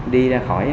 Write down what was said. đi ra khỏi